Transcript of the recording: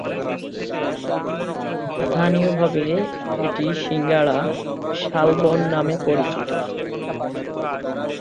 স্থানীয়ভাবে এটি সিংড়া শালবন নামে পরিচিত।